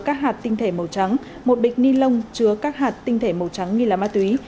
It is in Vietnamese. các hạt tinh thể màu trắng một bịch ni lông chứa các hạt tinh thể màu trắng nghi là ma túy